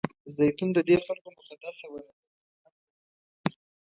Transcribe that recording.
زیتون ددې خلکو مقدسه ونه ده ځکه هر ځای لیدل کېږي.